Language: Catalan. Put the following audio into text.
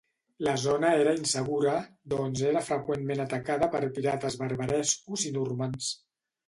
La zona era insegura doncs era freqüentment atacada per pirates barbarescos i normands.